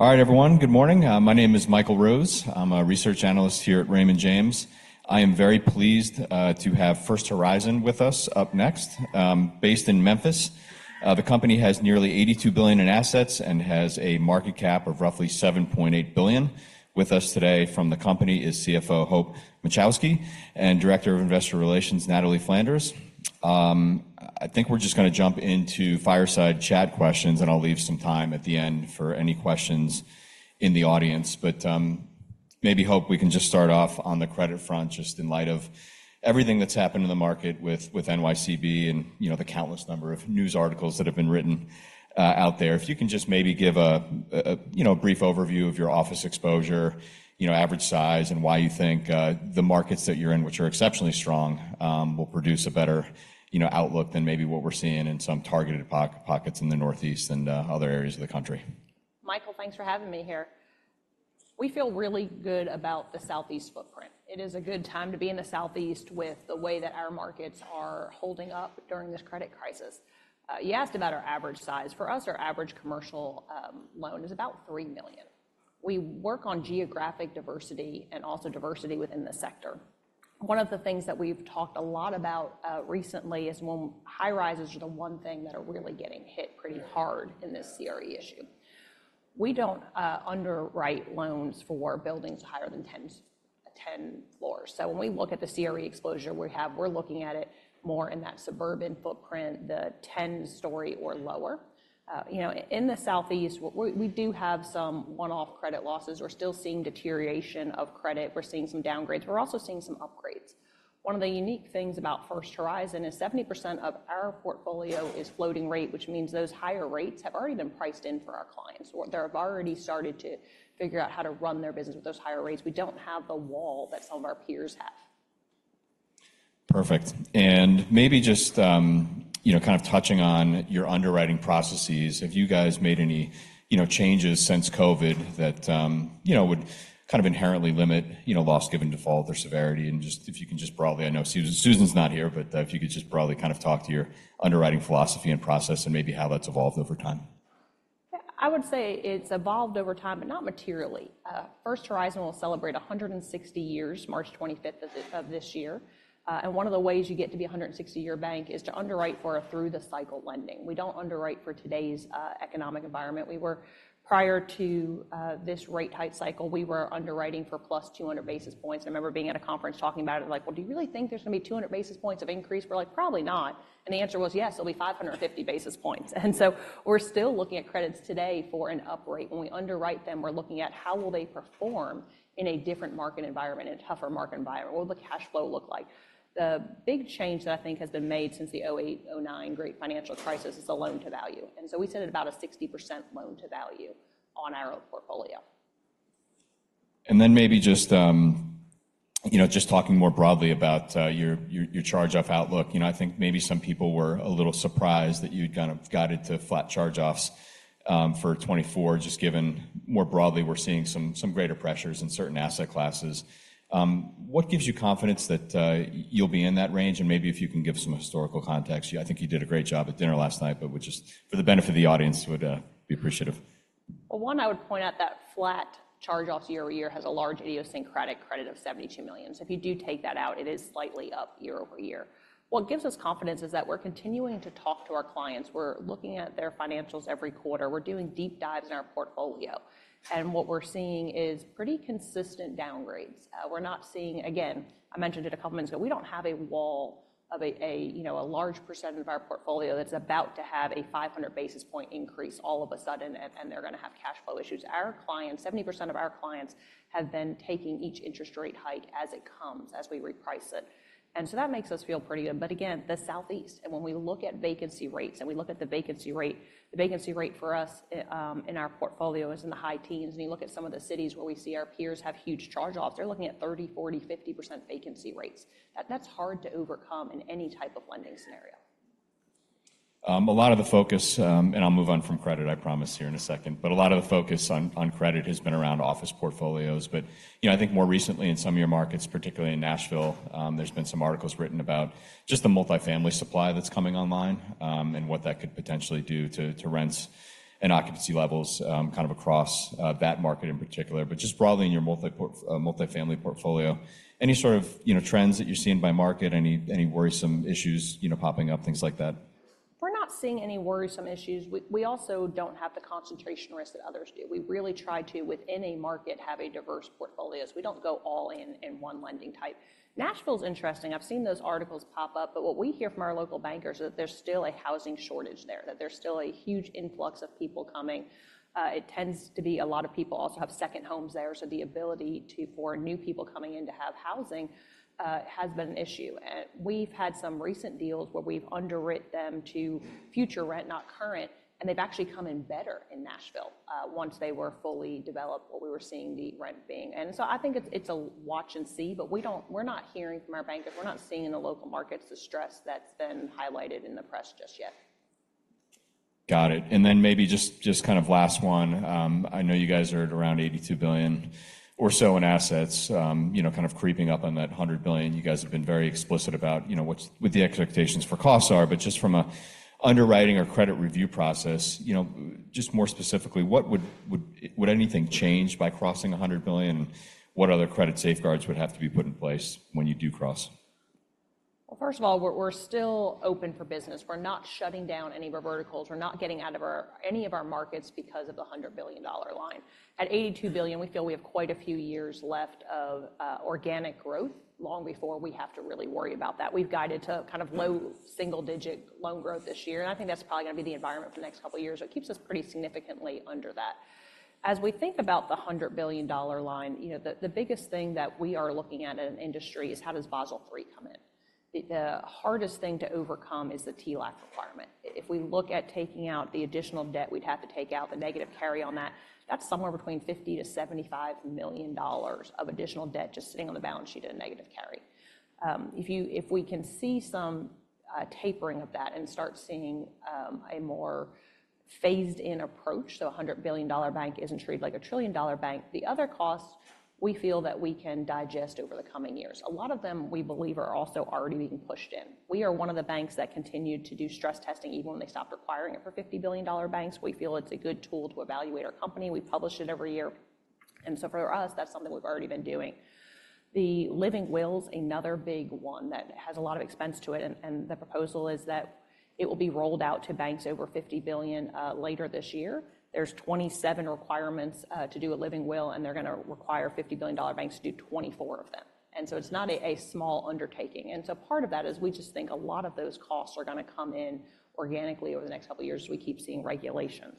All right, everyone, good morning. My name is Michael Rose. I'm a research analyst here at Raymond James. I am very pleased to have First Horizon with us up next. Based in Memphis, the company has nearly $82 billion in assets and has a market cap of roughly $7.8 billion. With us today from the company is CFO Hope Dmuchowski and Director of Investor Relations, Natalie Flanders. I think we're just gonna jump into fireside chat questions, and I'll leave some time at the end for any questions in the audience. Maybe, Hope, we can just start off on the credit front, just in light of everything that's happened in the market with NYCB and, you know, the countless number of news articles that have been written out there. If you can just maybe give a, you know, a brief overview of your office exposure, you know, average size, and why you think the markets that you're in, which are exceptionally strong, will produce a better, you know, outlook than maybe what we're seeing in some targeted pockets in the Northeast and other areas of the country. Michael, thanks for having me here. We feel really good about the Southeast footprint. It is a good time to be in the Southeast with the way that our markets are holding up during this credit crisis. You asked about our average size. For us, our average commercial loan is about $3 million. We work on geographic diversity and also diversity within the sector. One of the things that we've talked a lot about recently is when high-rises are the one thing that are really getting hit pretty hard in this CRE issue. We don't underwrite loans for buildings higher than 10 floors. So when we look at the CRE exposure we have, we're looking at it more in that suburban footprint, the 10-story or lower. You know, in the Southeast, we do have some one-off credit losses. We're still seeing deterioration of credit. We're seeing some downgrades. We're also seeing some upgrades. One of the unique things about First Horizon is 70% of our portfolio is floating rate, which means those higher rates have already been priced in for our clients, or they have already started to figure out how to run their business with those higher rates. We don't have the wall that some of our peers have. Perfect. And maybe just, you know, kind of touching on your underwriting processes, have you guys made any, you know, changes since COVID that, you know, would kind of inherently limit, you know, loss given default or severity? And just if you can just broadly... I know Susan, Susan's not here, but, if you could just broadly kind of talk to your underwriting philosophy and process and maybe how that's evolved over time. Yeah, I would say it's evolved over time, but not materially. First Horizon will celebrate 160 years, March 25 of this year. And one of the ways you get to be a 160-year bank is to underwrite for a through-the-cycle lending. We don't underwrite for today's economic environment. Prior to this rate hike cycle, we were underwriting for plus 200 basis points. I remember being at a conference talking about it, and like, "Well, do you really think there's gonna be 200 basis points of increase?" We're like, "Probably not." And the answer was, "Yes, it'll be 550 basis points." And so we're still looking at credits today for an uprate. When we underwrite them, we're looking at how will they perform in a different market environment, in a tougher market environment. What will the cash flow look like? The big change that I think has been made since the 2008, 2009 great financial crisis is the loan-to-value, and so we sit at about a 60% loan-to-value on our portfolio. And then maybe just, you know, just talking more broadly about your charge-off outlook. You know, I think maybe some people were a little surprised that you'd kind of guided to flat charge-offs for 2024, just given more broadly, we're seeing some greater pressures in certain asset classes. What gives you confidence that you'll be in that range? And maybe if you can give some historical context. I think you did a great job at dinner last night, but just for the benefit of the audience, would be appreciative. Well, one, I would point out that flat charge-offs year-over-year has a large idiosyncratic credit of $72 million. So if you do take that out, it is slightly up year-over-year. What gives us confidence is that we're continuing to talk to our clients. We're looking at their financials every quarter. We're doing deep dives in our portfolio, and what we're seeing is pretty consistent downgrades. We're not seeing... Again, I mentioned it a couple of minutes ago, we don't have a wall of, you know, a large percentage of our portfolio that's about to have a 500 basis points increase all of a sudden, and they're gonna have cash flow issues. Our clients, 70% of our clients have been taking each interest rate hike as it comes, as we reprice it, and so that makes us feel pretty good. But again, the Southeast, and when we look at vacancy rates, and we look at the vacancy rate, the vacancy rate for us in our portfolio is in the high teens. When you look at some of the cities where we see our peers have huge charge-offs, they're looking at 30, 40, 50% vacancy rates. That, that's hard to overcome in any type of lending scenario. A lot of the focus, and I'll move on from credit, I promise, here in a second. But a lot of the focus on credit has been around office portfolios. But, you know, I think more recently in some of your markets, particularly in Nashville, there's been some articles written about just the multifamily supply that's coming online, and what that could potentially do to rents and occupancy levels, kind of across that market in particular, but just broadly in your multifamily portfolio. Any sort of, you know, trends that you're seeing by market? Any worrisome issues, you know, popping up, things like that? We're not seeing any worrisome issues. We, we also don't have the concentration risk that others do. We really try to, within a market, have a diverse portfolio, so we don't go all in in one lending type. Nashville's interesting. I've seen those articles pop up, but what we hear from our local bankers is that there's still a housing shortage there, that there's still a huge influx of people coming. It tends to be a lot of people also have second homes there, so the ability to, for new people coming in to have housing, has been an issue. And we've had some recent deals where we've underwritten them to future rent, not current, and they've actually come in better in Nashville, once they were fully developed, what we were seeing the rent being. And so I think it's, it's a watch and see, but we don't, we're not hearing from our bankers, we're not seeing in the local markets the stress that's been highlighted in the press just yet.... Got it. And then maybe just kind of last one. I know you guys are at around $82 billion or so in assets, you know, kind of creeping up on that $100 billion. You guys have been very explicit about, you know, what the expectations for costs are. But just from a underwriting or credit review process, you know, just more specifically, what would anything change by crossing a $100 billion? What other credit safeguards would have to be put in place when you do cross? Well, first of all, we're, we're still open for business. We're not shutting down any of our verticals. We're not getting out of our, any of our markets because of the $100 billion line. At $82 billion, we feel we have quite a few years left of organic growth, long before we have to really worry about that. We've guided to kind of low single-digit loan growth this year, and I think that's probably gonna be the environment for the next couple of years. So it keeps us pretty significantly under that. As we think about the $100 billion line, you know, the biggest thing that we are looking at in an industry is how does Basel III come in? The hardest thing to overcome is the TLAC requirement. If we look at taking out the additional debt, we'd have to take out the negative carry on that, that's somewhere between $50-$75 million of additional debt just sitting on the balance sheet at a negative carry. If you—if we can see some tapering of that and start seeing a more phased-in approach, so a $100 billion bank isn't treated like a $1 trillion bank, the other costs, we feel that we can digest over the coming years. A lot of them, we believe, are also already being pushed in. We are one of the banks that continued to do stress testing even when they stopped requiring it for $50 billion banks. We feel it's a good tool to evaluate our company, and we publish it every year. So for us, that's something we've already been doing. The Living Will's another big one that has a lot of expense to it, and the proposal is that it will be rolled out to banks over $50 billion later this year. There's 27 requirements to do a Living Will, and they're gonna require $50 billion banks to do 24 of them. And so it's not a small undertaking. And so part of that is we just think a lot of those costs are gonna come in organically over the next couple of years as we keep seeing regulations.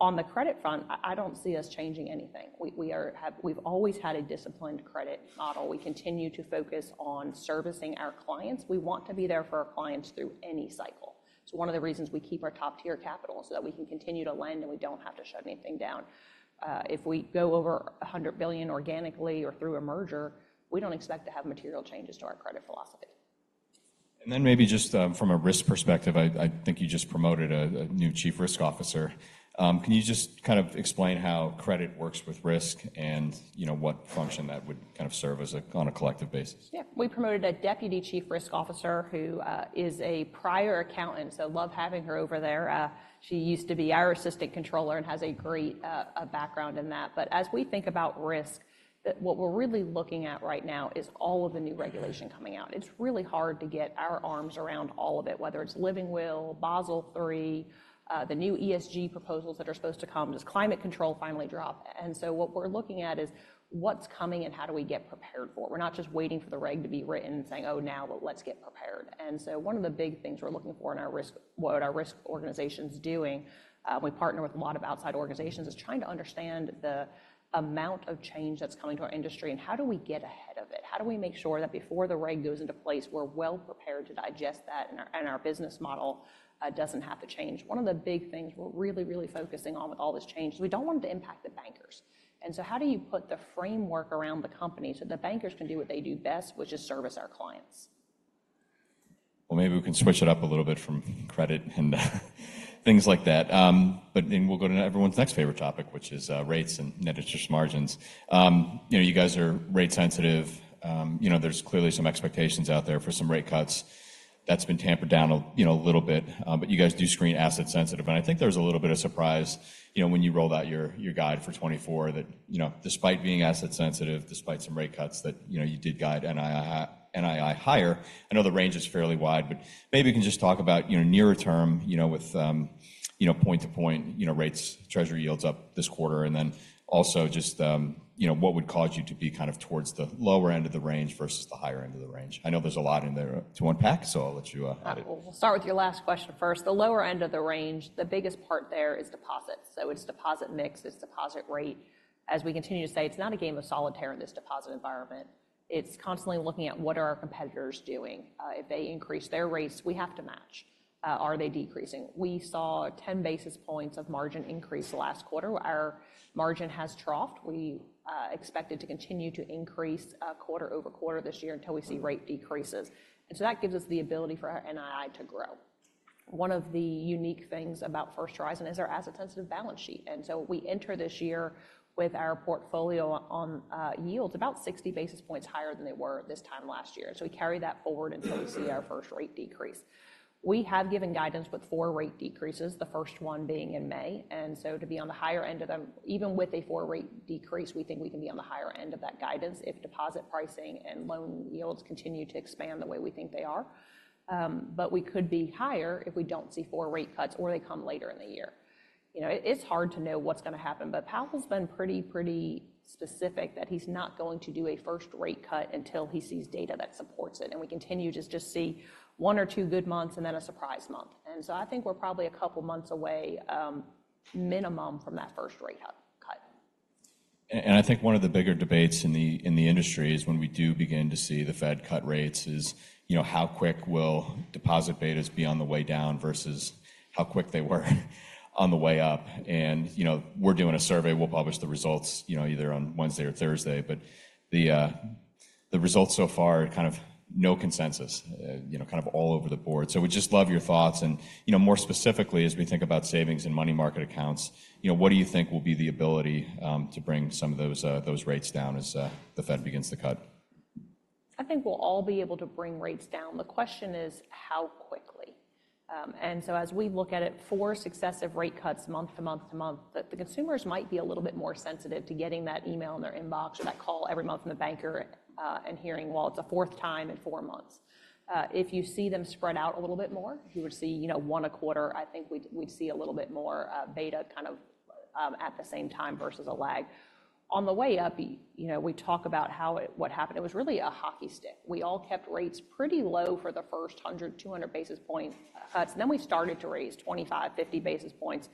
On the credit front, I don't see us changing anything. We have always had a disciplined credit model. We continue to focus on servicing our clients. We want to be there for our clients through any cycle. It's one of the reasons we keep our top-tier capital so that we can continue to lend, and we don't have to shut anything down. If we go over $100 billion organically or through a merger, we don't expect to have material changes to our credit philosophy. Then maybe just from a risk perspective, I think you just promoted a new Chief Risk Officer. Can you just kind of explain how credit works with risk and, you know, what function that would kind of serve as a on a collective basis? Yeah. We promoted a deputy chief risk officer who is a prior accountant, so love having her over there. She used to be our assistant controller and has a great background in that. But as we think about risk, what we're really looking at right now is all of the new regulation coming out. It's really hard to get our arms around all of it, whether it's Living Will, Basel III, the new ESG proposals that are supposed to come. Does climate control finally drop? And so what we're looking at is what's coming and how do we get prepared for it. We're not just waiting for the reg to be written and saying, "Oh, now let's get prepared." And so one of the big things we're looking for in our risk, what our risk organization's doing, we partner with a lot of outside organizations, is trying to understand the amount of change that's coming to our industry and how do we get ahead of it. How do we make sure that before the reg goes into place, we're well prepared to digest that and our, and our business model, doesn't have to change? One of the big things we're really, really focusing on with all this change is we don't want it to impact the bankers. And so how do you put the framework around the company so the bankers can do what they do best, which is service our clients? Well, maybe we can switch it up a little bit from credit and things like that. But then we'll go to everyone's next favorite topic, which is rates and net interest margins. You know, you guys are rate sensitive. You know, there's clearly some expectations out there for some rate cuts. That's been tampered down a little bit, but you guys do screen asset sensitive. And I think there was a little bit of surprise, you know, when you rolled out your guide for 2024, that, you know, despite being asset sensitive, despite some rate cuts, that, you know, you did guide NII higher. I know the range is fairly wide, but maybe you can just talk about, you know, nearer term, you know, with, you know, point-to-point, you know, rates, Treasury yields up this quarter, and then also just, you know, what would cause you to be kind of towards the lower end of the range versus the higher end of the range? I know there's a lot in there to unpack, so I'll let you, have it. Well, we'll start with your last question first. The lower end of the range, the biggest part there is deposits. So it's deposit mix, it's deposit rate. As we continue to say, it's not a game of solitaire in this deposit environment. It's constantly looking at what are our competitors doing. If they increase their rates, we have to match. Are they decreasing? We saw 10 basis points of margin increase last quarter. Our margin has troughed. We expect it to continue to increase quarter over quarter this year until we see rate decreases. And so that gives us the ability for our NII to grow. One of the unique things about First Horizon is our asset-sensitive balance sheet, and so we enter this year with our portfolio on yields about 60 basis points higher than they were this time last year. So we carry that forward until we see our first rate decrease. We have given guidance with 4 rate decreases, the first one being in May, and so to be on the higher end of them, even with a 4 rate decrease, we think we can be on the higher end of that guidance if deposit pricing and loan yields continue to expand the way we think they are. But we could be higher if we don't see 4 rate cuts or they come later in the year. You know, it's hard to know what's gonna happen, but Powell has been pretty, pretty specific that he's not going to do a first-rate cut until he sees data that supports it, and we continue to just see 1 or 2 good months and then a surprise month. I think we're probably a couple of months away, minimum, from that first rate cut. I think one of the bigger debates in the, in the industry is when we do begin to see the Fed cut rates, you know, how quick will deposit betas be on the way down versus how quick they were on the way up. And, you know, we're doing a survey. We'll publish the results, you know, either on Wednesday or Thursday. But the results so far are kind of no consensus, you know, kind of all over the board. So we'd just love your thoughts and, you know, more specifically, as we think about savings and money market accounts, you know, what do you think will be the ability to bring some of those rates down as the Fed begins to cut? I think we'll all be able to bring rates down. The question is, how quickly? And so as we look at it, four successive rate cuts, month to month to month, the consumers might be a little bit more sensitive to getting that email in their inbox or that call every month from the banker, and hearing, "Well, it's the fourth time in four months." If you see them spread out a little bit more, you would see, you know, one a quarter, I think we'd see a little bit more beta kind of at the same time versus a lag. On the way up, you know, we talk about how it, what happened. It was really a hockey stick. We all kept rates pretty low for the first 100, 200 basis point cuts, and then we started to raise 25, 50 basis points,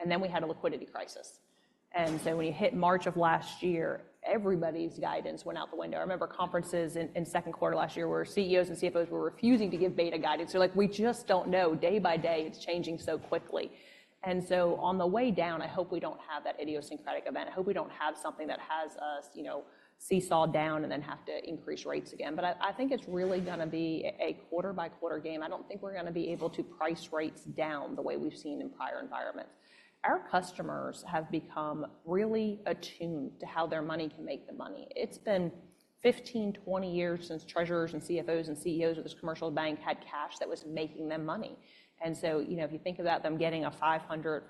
and then we had a liquidity crisis. And so when you hit March of last year, everybody's guidance went out the window. I remember conferences in, in second quarter last year, where CEOs and CFOs were refusing to give beta guidance. They're like: "We just don't know. Day by day, it's changing so quickly." And so on the way down, I hope we don't have that idiosyncratic event. I hope we don't have something that has us, you know, seesaw down and then have to increase rates again. But I, I think it's really gonna be a quarter-by-quarter game. I don't think we're gonna be able to price rates down the way we've seen in prior environments. Our customers have become really attuned to how their money can make them money. It's been 15, 20 years since treasurers and CFOs and CEOs of this commercial bank had cash that was making them money. And so, you know, if you think about them getting a 500-525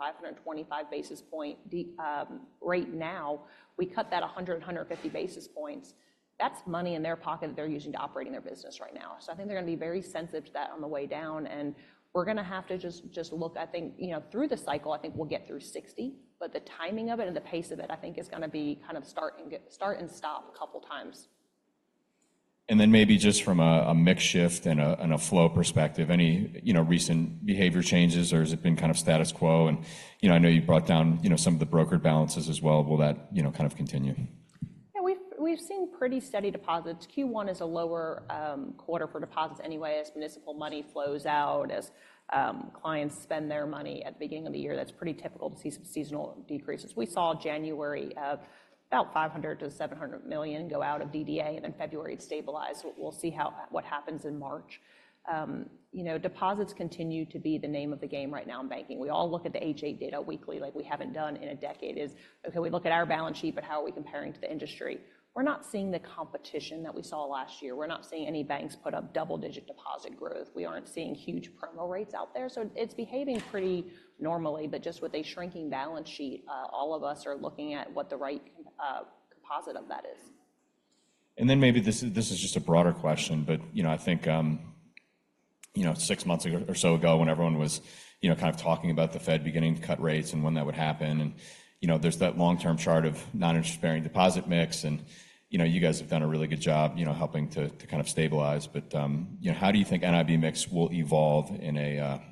basis point deposit rate now, we cut that 100-150 basis points. That's money in their pocket that they're using to operating their business right now. So I think they're gonna be very sensitive to that on the way down, and we're gonna have to just look, I think, you know, through the cycle, I think we'll get through 60, but the timing of it and the pace of it, I think, is gonna be kind of start and start and stop a couple times. And then maybe just from a mix shift and a flow perspective, any, you know, recent behavior changes, or has it been kind of status quo? And, you know, I know you brought down, you know, some of the brokered balances as well. Will that, you know, kind of continue? Yeah, we've seen pretty steady deposits. Q1 is a lower quarter for deposits anyway, as municipal money flows out, as clients spend their money at the beginning of the year. That's pretty typical to see some seasonal decreases. We saw January of about $500 million-$700 million go out of DDA, and in February, it stabilized. We'll see how what happens in March. You know, deposits continue to be the name of the game right now in banking. We all look at the H.8 data weekly, like we haven't done in a decade. Okay, we look at our balance sheet, but how are we comparing to the industry? We're not seeing the competition that we saw last year. We're not seeing any banks put up double-digit deposit growth. We aren't seeing huge promo rates out there. So it's behaving pretty normally, but just with a shrinking balance sheet, all of us are looking at what the right composite of that is. Then maybe this is just a broader question, but, you know, I think, you know, six months ago or so, when everyone was, you know, kind of talking about the Fed beginning to cut rates and when that would happen, and, you know, there's that long-term chart of non-interest-bearing deposit mix, and, you know, you guys have done a really good job, you know, helping to kind of stabilize. But, you know, how do you think NIB mix will evolve in a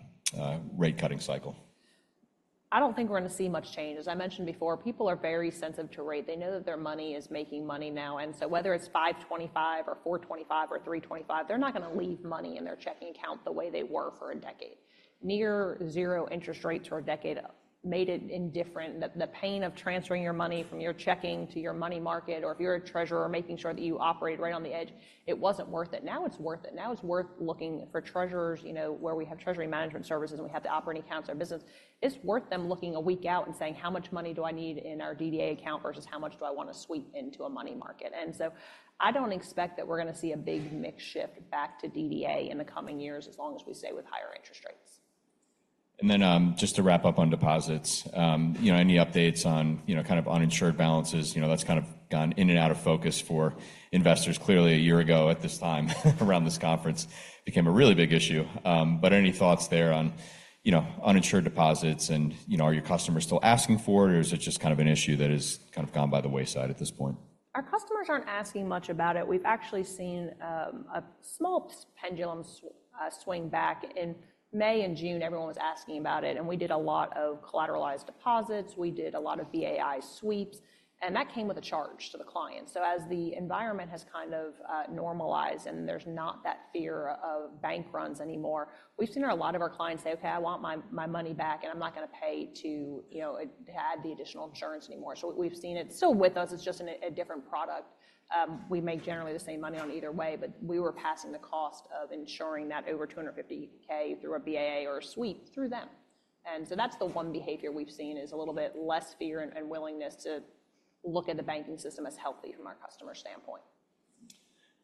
rate-cutting cycle? I don't think we're gonna see much change. As I mentioned before, people are very sensitive to rate. They know that their money is making money now, and so whether it's 5.25 or 4.25 or 3.25, they're not gonna leave money in their checking account the way they were for a decade. Near zero interest rates for a decade made it indifferent. The pain of transferring your money from your checking to your money market, or if you're a treasurer, making sure that you operate right on the edge, it wasn't worth it. Now, it's worth it. Now, it's worth looking for treasurers, you know, where we have treasury management services, and we have the operating accounts, our business. It's worth them looking a week out and saying: "How much money do I need in our DDA account versus how much do I want to sweep into a money market?" And so I don't expect that we're gonna see a big mix shift back to DDA in the coming years, as long as we stay with higher interest rates. Then, just to wrap up on deposits, you know, any updates on, you know, kind of uninsured balances? You know, that's kind of gone in and out of focus for investors. Clearly, a year ago at this time, around this conference, became a really big issue. But any thoughts there on, you know, uninsured deposits, and, you know, are your customers still asking for it, or is it just kind of an issue that has kind of gone by the wayside at this point? Our customers aren't asking much about it. We've actually seen a small pendulum swing back. In May and June, everyone was asking about it, and we did a lot of collateralized deposits. We did a lot of BAI sweeps, and that came with a charge to the client. So as the environment has kind of normalized and there's not that fear of bank runs anymore, we've seen a lot of our clients say, "Okay, I want my money back, and I'm not gonna pay to you know add the additional insurance anymore." So we've seen it. Still with us, it's just in a different product. We make generally the same money on either way, but we were passing the cost of insuring that over $250K through a BAI or a sweep through them. So that's the one behavior we've seen, is a little bit less fear and willingness to look at the banking system as healthy from our customer standpoint.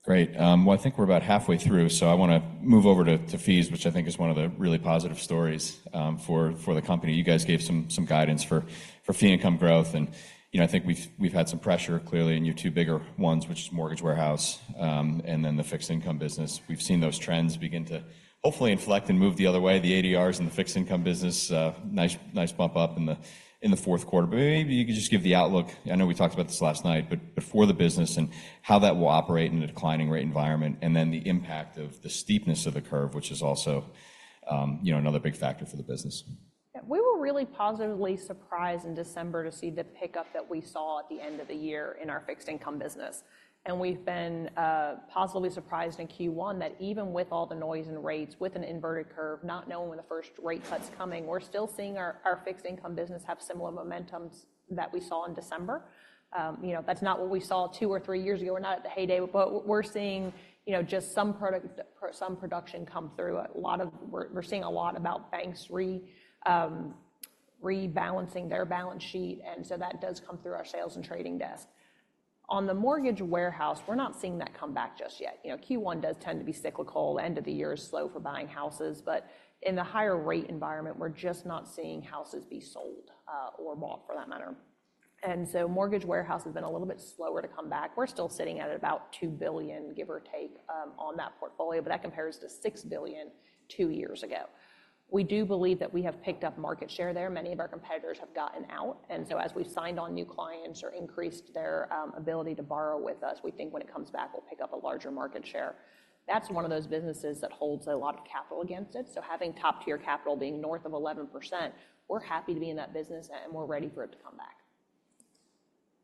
Great. Well, I think we're about halfway through, so I wanna move over to fees, which I think is one of the really positive stories for the company. You guys gave some guidance for fee income growth, and you know, I think we've had some pressure, clearly, in your two bigger ones, which is Mortgage Warehouse and then the fixed income business. We've seen those trends begin to hopefully inflect and move the other way. The ADRs and the fixed income business, nice, nice bump up in the fourth quarter. But maybe you could just give the outlook. I know we talked about this last night, but for the business and how that will operate in a declining rate environment, and then the impact of the steepness of the curve, which is also, you know, another big factor for the business.... Yeah, we were really positively surprised in December to see the pickup that we saw at the end of the year in our fixed income business. And we've been positively surprised in Q1 that even with all the noise and rates, with an inverted curve, not knowing when the first rate cut's coming, we're still seeing our fixed income business have similar momentums that we saw in December. You know, that's not what we saw two or three years ago. We're not at the heyday, but we're seeing, you know, just some product, some production come through. We're seeing a lot about banks rebalancing their balance sheet, and so that does come through our sales and trading desk. On the mortgage warehouse, we're not seeing that come back just yet. You know, Q1 does tend to be cyclical, end of the year is slow for buying houses, but in the higher rate environment, we're just not seeing houses be sold, or bought, for that matter. And so mortgage warehouse has been a little bit slower to come back. We're still sitting at about $2 billion, give or take, on that portfolio, but that compares to $6 billion two years ago. We do believe that we have picked up market share there. Many of our competitors have gotten out, and so as we've signed on new clients or increased their, ability to borrow with us, we think when it comes back, we'll pick up a larger market share. That's one of those businesses that holds a lot of capital against it, so having top-tier capital being north of 11%, we're happy to be in that business, and we're ready for it to come back.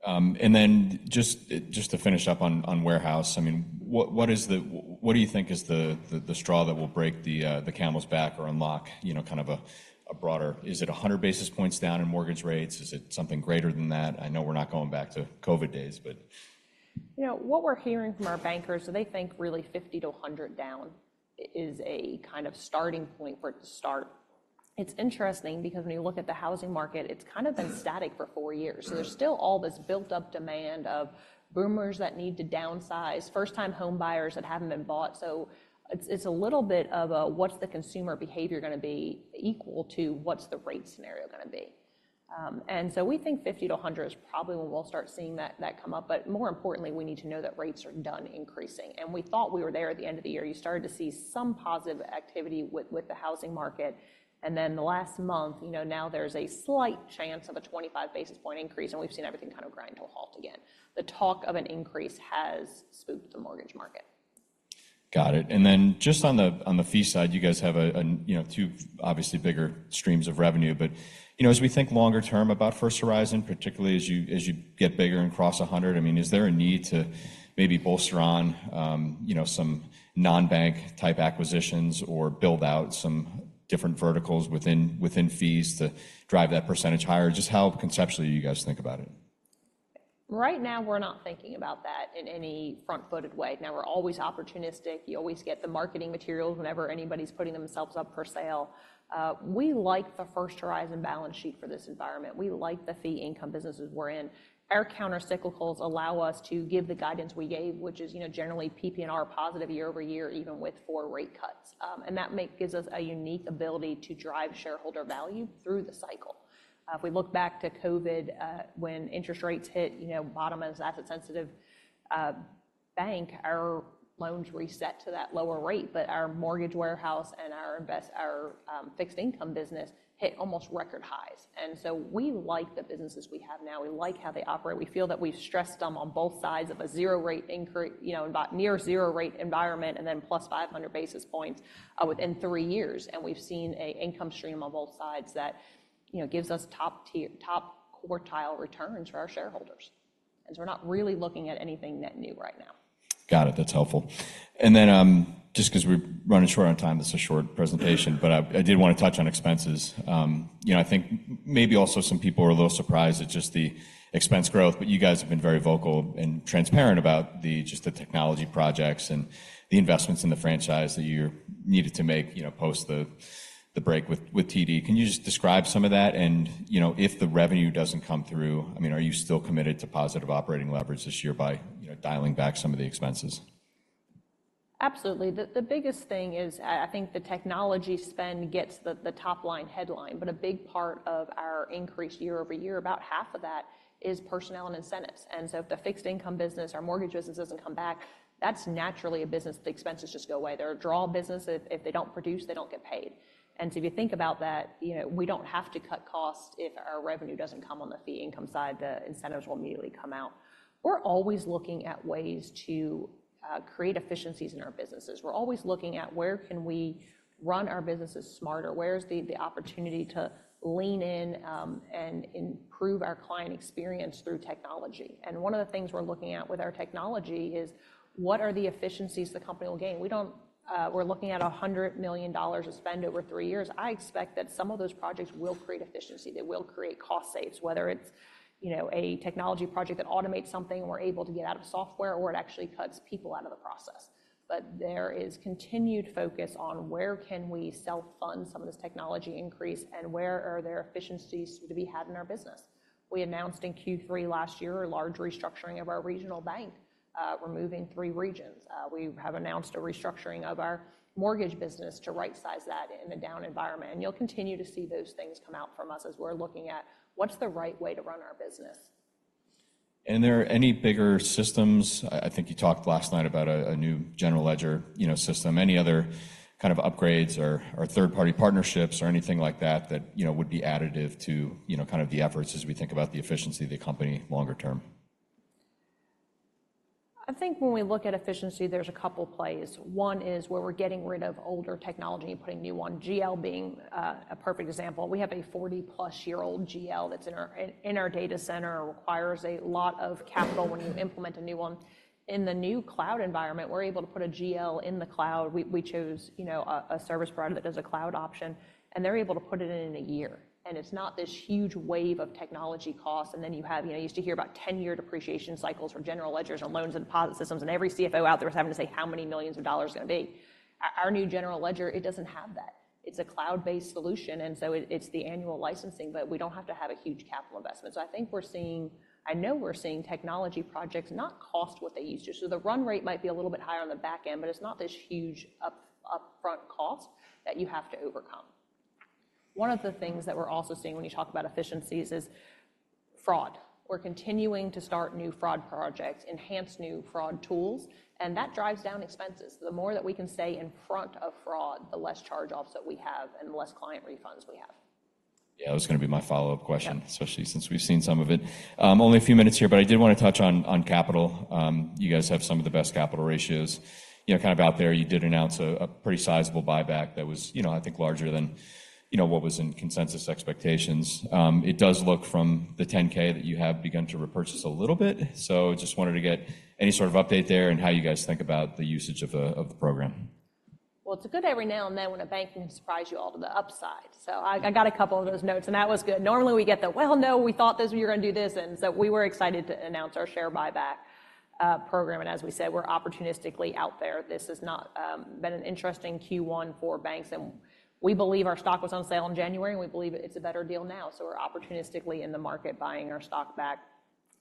And then just to finish up on warehouse, I mean, what do you think is the straw that will break the camel's back or unlock, you know, kind of a broader... Is it 100 basis points down in mortgage rates? Is it something greater than that? I know we're not going back to COVID days, but- You know, what we're hearing from our bankers is they think really 50-100 down is a kind of starting point for it to start. It's interesting because when you look at the housing market, it's kind of been static for four years. Mm. So there's still all this built-up demand of boomers that need to downsize, first-time home buyers that haven't bought. So it's, it's a little bit of a, what's the consumer behavior gonna be equal to, what's the rate scenario gonna be? And so we think 50-100 is probably when we'll start seeing that, that come up, but more importantly, we need to know that rates are done increasing. And we thought we were there at the end of the year. You started to see some positive activity with, with the housing market, and then the last month, you know, now there's a slight chance of a 25 basis point increase, and we've seen everything kind of grind to a halt again. The talk of an increase has spooked the mortgage market. Got it. And then just on the fee side, you guys have an, you know, two obviously bigger streams of revenue, but, you know, as we think longer term about First Horizon, particularly as you, as you get bigger and cross 100, I mean, is there a need to maybe bolster on, you know, some non-bank type acquisitions or build out some different verticals within fees to drive that percentage higher? Just how conceptually you guys think about it. Right now, we're not thinking about that in any front-footed way. Now, we're always opportunistic. You always get the marketing materials whenever anybody's putting themselves up for sale. We like the First Horizon balance sheet for this environment. We like the fee income businesses we're in. Our countercyclicals allow us to give the guidance we gave, which is, you know, generally PPNR positive year-over-year, even with 4 rate cuts. And that gives us a unique ability to drive shareholder value through the cycle. If we look back to COVID, when interest rates hit, you know, bottom as asset-sensitive bank, our loans reset to that lower rate, but our mortgage warehouse and our fixed income business hit almost record highs. And so we like the businesses we have now. We like how they operate. We feel that we've stressed them on both sides of a zero rate—you know, about near zero rate environment, and then plus 500 basis points within three years, and we've seen an income stream on both sides that, you know, gives us top tier-top quartile returns for our shareholders. And so we're not really looking at anything net new right now. Got it. That's helpful. And then, just 'cause we're running short on time, this is a short presentation, but I, I did want to touch on expenses. You know, I think maybe also some people are a little surprised at just the expense growth, but you guys have been very vocal and transparent about the, just the technology projects and the investments in the franchise that you're needed to make, you know, post the, the break with, with TD. Can you just describe some of that? And, you know, if the revenue doesn't come through, I mean, are you still committed to positive operating leverage this year by, you know, dialing back some of the expenses? Absolutely. The biggest thing is, I think the technology spend gets the top-line headline, but a big part of our increase year over year, about half of that, is personnel and incentives. And so if the fixed income business, our mortgage business doesn't come back, that's naturally a business that the expenses just go away. They're a draw business. If they don't produce, they don't get paid. And so if you think about that, you know, we don't have to cut costs if our revenue doesn't come on the fee income side, the incentives will immediately come out. We're always looking at ways to create efficiencies in our businesses. We're always looking at where can we run our businesses smarter? Where's the opportunity to lean in and improve our client experience through technology? One of the things we're looking at with our technology is: What are the efficiencies the company will gain? We don't... We're looking at $100 million of spend over three years. I expect that some of those projects will create efficiency. They will create cost saves, whether it's, you know, a technology project that automates something, and we're able to get out of software, or it actually cuts people out of the process. But there is continued focus on where can we self-fund some of this technology increase, and where are there efficiencies to be had in our business? We announced in Q3 last year a large restructuring of our regional bank, removing three regions. We have announced a restructuring of our mortgage business to rightsize that in a down environment, and you'll continue to see those things come out from us as we're looking at what's the right way to run our business. Are there any bigger systems? I think you talked last night about a new general ledger, you know, system. Any other kind of upgrades or third-party partnerships or anything like that that you know would be additive to you know kind of the efforts as we think about the efficiency of the company longer term? ... I think when we look at efficiency, there's a couple plays. One is where we're getting rid of older technology and putting new one, GL being a perfect example. We have a 40+-year-old GL that's in our data center, requires a lot of capital when you implement a new one. In the new cloud environment, we're able to put a GL in the cloud. We chose, you know, a service provider that does a cloud option, and they're able to put it in a year, and it's not this huge wave of technology costs. And then you have, you know, you used to hear about ten-year depreciation cycles for general ledgers or loans and deposit systems, and every CFO out there was having to say, "How many millions of dollars is it gonna be?" Our new general ledger, it doesn't have that. It's a cloud-based solution, and so it's the annual licensing, but we don't have to have a huge capital investment. So I think we're seeing—I know we're seeing technology projects not cost what they used to. So the run rate might be a little bit higher on the back end, but it's not this huge upfront cost that you have to overcome. One of the things that we're also seeing when you talk about efficiencies is fraud. We're continuing to start new fraud projects, enhance new fraud tools, and that drives down expenses. The more that we can stay in front of fraud, the less charge-offs that we have and the less client refunds we have. Yeah, that was gonna be my follow-up question- Yeah... especially since we've seen some of it. Only a few minutes here, but I did want to touch on capital. You guys have some of the best capital ratios, you know, kind of out there. You did announce a pretty sizable buyback that was, you know, I think larger than, you know, what was in consensus expectations. It does look from the 10-K that you have begun to repurchase a little bit, so just wanted to get any sort of update there and how you guys think about the usage of the program. Well, it's good every now and then when a bank can surprise you all to the upside. So I got a couple of those notes, and that was good. Normally, we get the, "Well, no, we thought this, we were gonna do this," and so we were excited to announce our share buyback program. And as we said, we're opportunistically out there. This has not been an interesting Q1 for banks, and we believe our stock was on sale in January, and we believe it's a better deal now. So we're opportunistically in the market buying our stock back.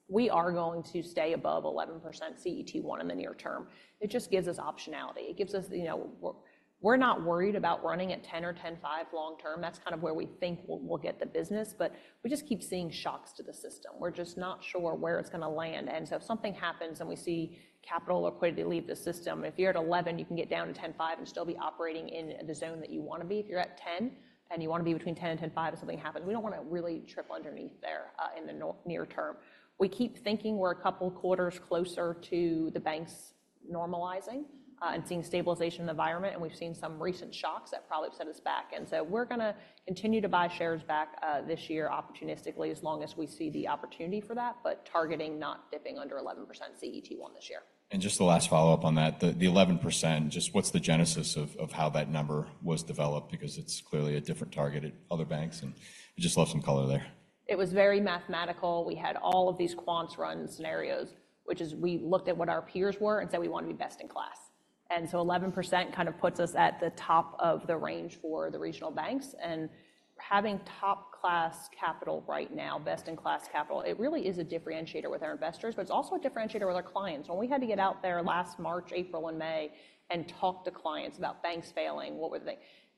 We are going to stay above 11% CET1 in the near term. It just gives us optionality. It gives us you know... We're not worried about running at 10 or 10.5 long term. That's kind of where we think we'll, we'll get the business, but we just keep seeing shocks to the system. We're just not sure where it's gonna land. And so if something happens and we see capital or equity leave the system, if you're at 11, you can get down to 10.5 and still be operating in the zone that you want to be. If you're at 10, and you want to be between 10 and 10.5, if something happens, we don't want to really trip underneath there, in the near term. We keep thinking we're a couple quarters closer to the banks normalizing, and seeing stabilization in the environment, and we've seen some recent shocks that probably set us back. And so we're gonna continue to buy shares back this year opportunistically, as long as we see the opportunity for that, but targeting not dipping under 11% CET1 this year. Just the last follow-up on that, 11%, just what's the genesis of how that number was developed? Because it's clearly a different target at other banks, and just love some color there. It was very mathematical. We had all of these quants run scenarios, which is we looked at what our peers were and said we want to be best in class. And so 11% kind of puts us at the top of the range for the regional banks. And having top-class capital right now, best-in-class capital, it really is a differentiator with our investors, but it's also a differentiator with our clients. When we had to get out there last March, April, and May and talk to clients about banks failing,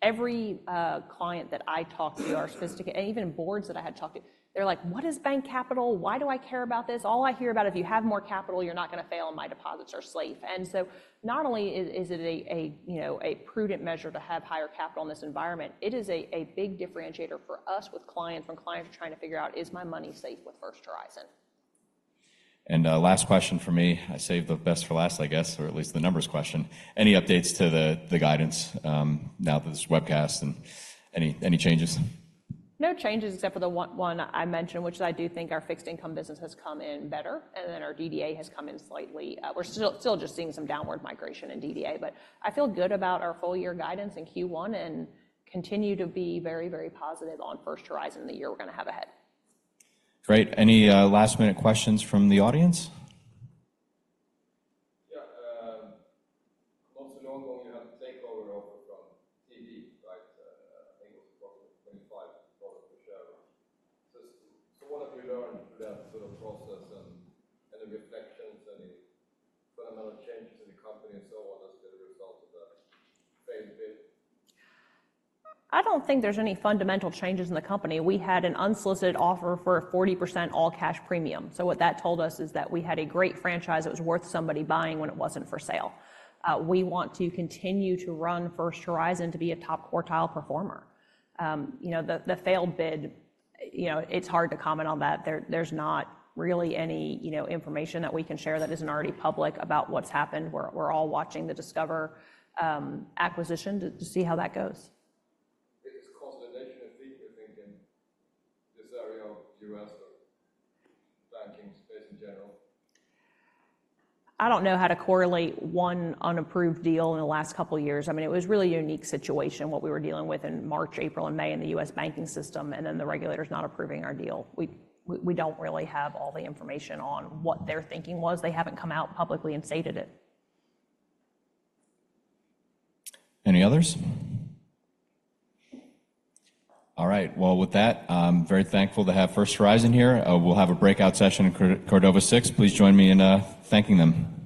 every client that I talked to, our sophisticated- and even boards that I had talked to, they're like: "What is bank capital? Why do I care about this? All I hear about, if you have more capital, you're not gonna fail, and my deposits are safe." And so not only is it a, you know, a prudent measure to have higher capital in this environment, it is a big differentiator for us with clients, from clients trying to figure out, "Is my money safe with First Horizon? Last question for me. I saved the best for last, I guess, or at least the numbers question. Any updates to the guidance now with this webcast, and any changes? No changes except for the one I mentioned, which is I do think our fixed income business has come in better, and then our DDA has come in slightly. We're still just seeing some downward migration in DDA, but I feel good about our full year guidance in Q1 and continue to be very, very positive on First Horizon, the year we're gonna have ahead. Great. Any last-minute questions from the audience? Yeah, not so long ago, you had a takeover offer from TD, right? I think it was approximately $25 per share. So, so what have you learned through that sort of process, and any reflections, any fundamental changes in the company and so on, as a result of the failed bid? I don't think there's any fundamental changes in the company. We had an unsolicited offer for a 40% all cash premium. So what that told us is that we had a great franchise that was worth somebody buying when it wasn't for sale. We want to continue to run First Horizon to be a top quartile performer. You know, the failed bid, you know, it's hard to comment on that. There's not really any, you know, information that we can share that isn't already public about what's happened. We're all watching the Discover acquisition to see how that goes. It's consolidation of fee, you think, in this area of U.S. or banking space in general? I don't know how to correlate one unapproved deal in the last couple of years. I mean, it was a really unique situation, what we were dealing with in March, April, and May in the U.S. banking system, and then the regulators not approving our deal. We don't really have all the information on what their thinking was. They haven't come out publicly and stated it. Any others? All right. Well, with that, I'm very thankful to have First Horizon here. We'll have a breakout session in Cordova 6. Please join me in thanking them.